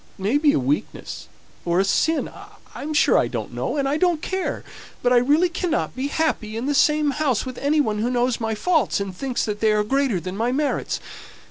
It may be a weakness, or a sin, I'm sure I don't know, and I don't care; but I really cannot be happy in the same house with any one who knows my faults, and thinks that they are greater than my merits.